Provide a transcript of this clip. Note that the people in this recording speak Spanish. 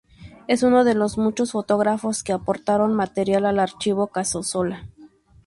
Es uno de los muchos fotógrafos que aportaron material al Archivo Casasola.